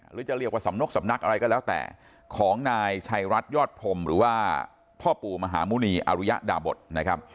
หรือจะเรียกว่าสำนกสำนักอะไรก็แล้วแต่ของนายชัยรัฐยอดพรมหรือว่าพ่อปู่มหาหมุณีอรุยดาบทนะครับ